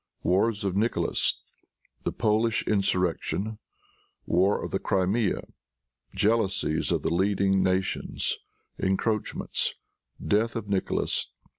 Wars of Nicholas. The Polish Insurrection. War of the Crimea. Jealousies of the Leading Nations. Encroachments. Death of Nicholas.